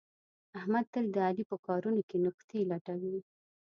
احمد تل د علي په کارونو کې نکتې لټوي.